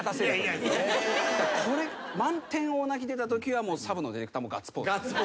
満点大泣き出たときはサブのディレクターもガッツポーズ。